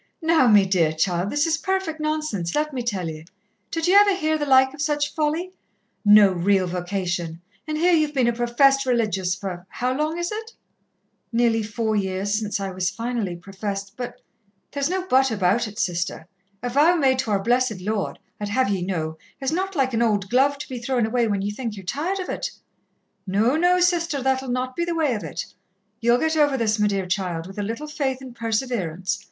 "Now, me dear child, this is perfect nonsense, let me tell ye. Did ye ever hear the like of such folly? No real vocation, and here ye've been a professed religious for how long is it?" "Nearly four years since I was finally professed, but " "There's no but about it, Sister. A vow made to Our Blessed Lord, I'd have ye know, is not like an old glove, to be thrown away when ye think ye're tired of it. No, no, Sister, that'll not be the way of it. Ye'll get over this, me dear child, with a little faith and perseverance.